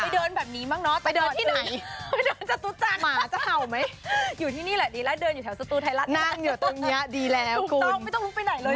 ใช่จริง